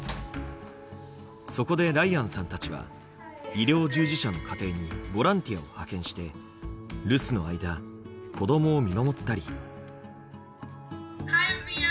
そこでライアンさんたちは医療従事者の家庭にボランティアを派遣して留守の間子どもを見守ったり。